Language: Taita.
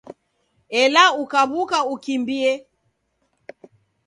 Ela ukaw'uka ukimbie